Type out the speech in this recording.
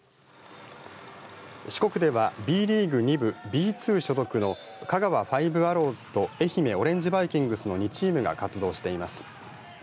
四国ではＢリーグ２部Ｂ２所属の香川ファイブアローズと愛媛オレンジバイキングスの２チームが活動しています。